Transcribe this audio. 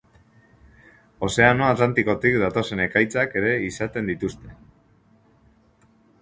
Ozeano Atlantikotik datozen ekaitzak ere izaten dituzte.